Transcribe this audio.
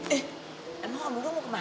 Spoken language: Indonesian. eh emang om dudung mau ke mana sih